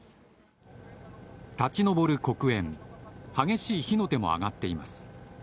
立ち上る黒煙、激しい火の手が上がっています。